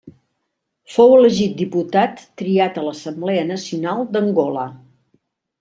Fou elegit diputat triat a l'Assemblea Nacional d'Angola.